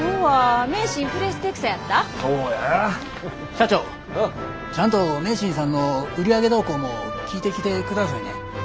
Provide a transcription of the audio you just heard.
社長ちゃんと名神さんの売り上げ動向も聞いてきてくださいね。